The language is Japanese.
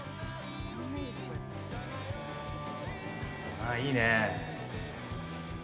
ああ、いいね。